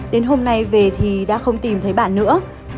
đến hôm nay về thì đã không tìm thấy bạn nữa